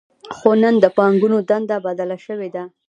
خو نن د بانکونو دنده بدله شوې ده